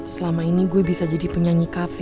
selama ini gue bisa jadi penyanyi kafe